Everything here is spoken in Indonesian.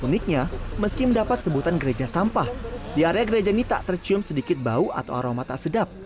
uniknya meski mendapat sebutan gereja sampah di area gereja ini tak tercium sedikit bau atau aroma tak sedap